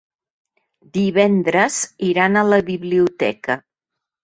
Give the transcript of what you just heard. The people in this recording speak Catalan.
Divendres iran a la biblioteca.